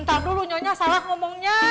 ntar dulu nyonya salah ngomongnya